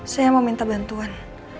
saya mau minta bantuan